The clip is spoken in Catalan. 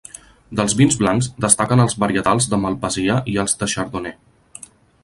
Dels vins blancs destaquen els varietals de malvasia i els de chardonnay.